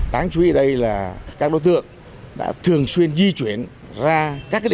đáng chú ý đây là các đối tượng đã thường xuyên di chuyển ra các địa